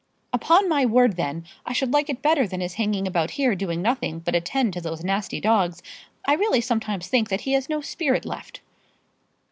"Upon my word, then, I should like it better than his hanging about here doing nothing but attend to those nasty dogs. I really sometimes think that he has no spirit left."